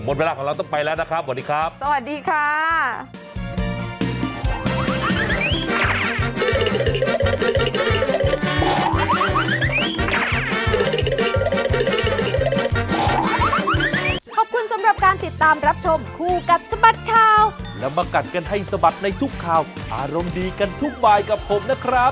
หมดเวลาของเราต้องไปแล้วนะครับสวัสดีครับ